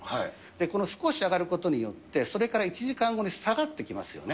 この少し上がることによって、それから１時間後に下がってきますよね。